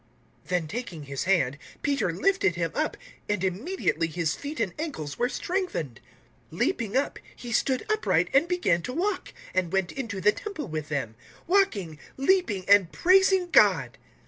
003:007 Then taking his hand Peter lifted him up, and immediately his feet and ankles were strengthened. 003:008 Leaping up, he stood upright and began to walk, and went into the Temple with them, walking, leaping, and praising God.